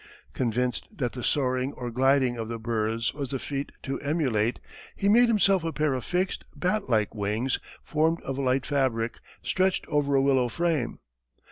Convinced that the soaring or gliding of the birds was the feat to emulate, he made himself a pair of fixed, bat like wings formed of a light fabric stretched over a willow frame.